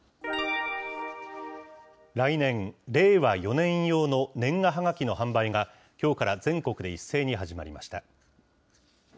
来年・令和４年用の年賀はがきの販売が、きょうから全国で一斉に始まりました。